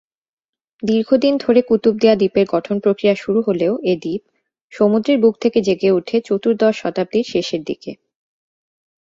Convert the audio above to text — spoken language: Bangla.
দীর্ঘদিন ধরে কুতুবদিয়া দ্বীপের গঠন প্রক্রিয়া শুরু হলেও এ দ্বীপ সমুদ্রের বুক থেকে জেগে উঠে চতুর্দশ শতাব্দীর শেষের দিকে।